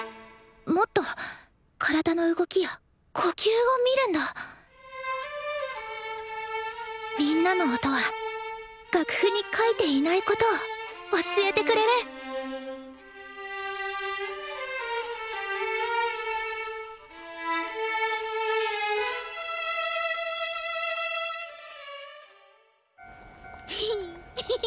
もっと体の動きや呼吸を見るんだみんなの音は楽譜に描いていないことを教えてくれるヒヒヒ。